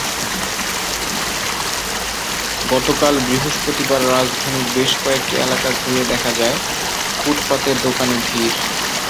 গতকাল বৃহস্পতিবার রাজধানীর বেশ কয়েকটি এলাকা ঘুরে দেখা যায়, ফুটপাতের দোকানে ভিড়।